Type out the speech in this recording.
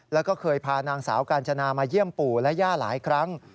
แล้วก็เคยพานางสาวกาญจนามาเยี่ยมปู่และย่าหลายครั้ง